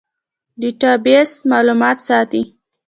ډیټابیس معلومات ساتي